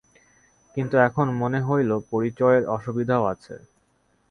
কিন্তু এখন মনে হইল, পরিচয়ের অসুবিধাও আছে।